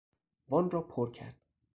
وان را پر کرد.